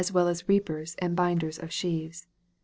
197 as wel! as reapers and binders of sheaves.